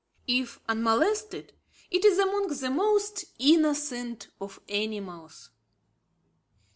If unmolested, it is among the most innocent of animals.